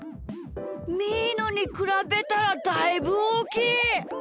みーのにくらべたらだいぶおおきい！